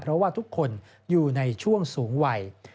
เพราะว่าทุกคนอยู่ในช่วงสูงวัย